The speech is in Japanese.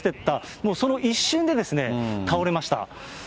もうその一瞬で倒れました。